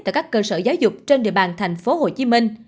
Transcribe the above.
tại các cơ sở giáo dục trên địa bàn tp hcm